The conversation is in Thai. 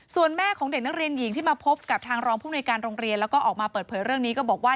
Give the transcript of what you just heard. ส่วนแม่ของเด็กนักเรียนหญิงที่มาพบกับทางรองผู้มนุยการโรงเรียนแล้วก็ออกมาเปิดเผยเรื่องนี้ก็บอกว่า